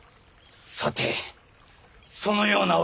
さてそのようなお方は。